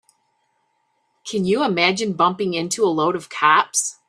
Can you imagine bumping into a load of cops?